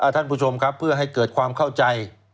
ท่านผู้ชมครับเพื่อให้เกิดความเข้าใจ